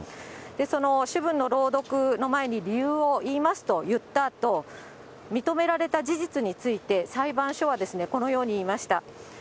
その主文の朗読の前に理由を言いますと言ったあと、認められた事実について、裁判所はこのように言いました。